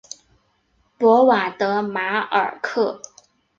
博瓦德马尔克。